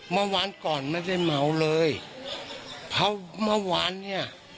เมื่อวานก่อนไม่ได้เมาเลยเพราะเมื่อวานเนี้ย